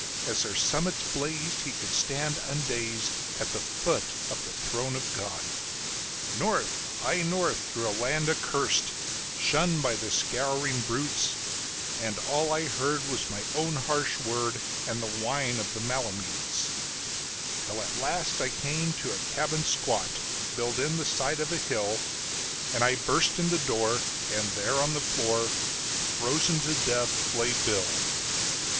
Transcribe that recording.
As their summits blazed, he could stand undazed at the foot of the throne of God. North, aye, North, through a land accurst, shunned by the scouring brutes, And all I heard was my own harsh word and the whine of the malamutes, Till at last I came to a cabin squat, built in the side of a hill, And I burst in the door, and there on the floor, frozen to death, lay Bill.